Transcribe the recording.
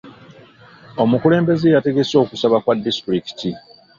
Omukulembeze yategese okusaba kwa disitulikiti.